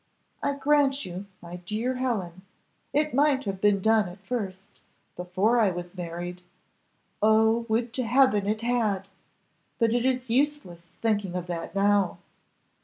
I grant you, my dear Helen, it might have been done at first, before I was married; oh would to heaven it had! but it is useless thinking of that now.